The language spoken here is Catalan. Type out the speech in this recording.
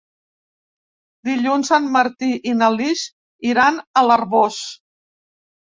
Dilluns en Martí i na Lis iran a l'Arboç.